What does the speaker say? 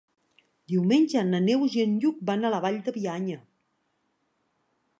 Diumenge na Neus i en Lluc van a la Vall de Bianya.